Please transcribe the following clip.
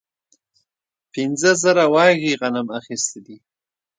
پنځه زره وږي غنم اخیستي دي.